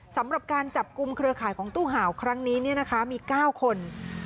สำหรับการจับกลุ่มเครือข่ายของตู้ห่าวครั้งนี้มี๙คน